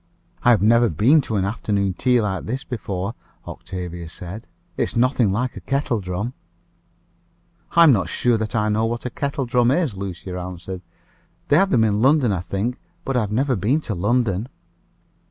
"I have never been to an afternoon tea like this before," Octavia said. "It is nothing like a kettle drum." "I am not sure that I know what a kettle drum is," Lucia answered. "They have them in London, I think; but I have never been to London."